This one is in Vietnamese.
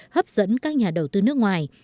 hấp dẫn các nhà đầu tư nước ngoài